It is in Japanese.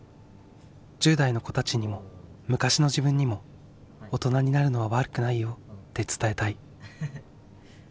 １０代の子たちにも昔の自分にも「大人になるのは悪くないよ」って伝えたい。